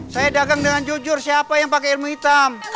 saya dagang dengan jujur siapa yang pakai ilmu hitam